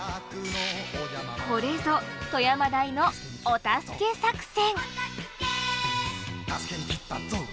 これぞ富山大のお助け作戦！